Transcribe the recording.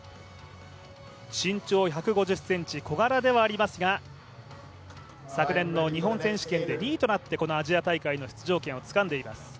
身長１５０ｃｍ、小柄ではありますが昨年の日本選手権で２位となって、このアジア大会の出場権をつかんでいます。